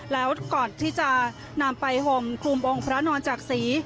แล้วก่อนที่จะนำไปห่มคลุมองค์พระนอนจักษี